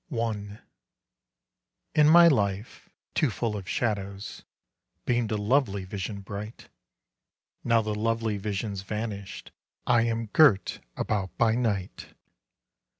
I. In my life, too full of shadows, Beamed a lovely vision bright. Now the lovely vision's vanished, I am girt about by night.